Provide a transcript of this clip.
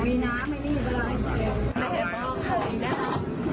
มีน้ำไอ้นี่ด้วย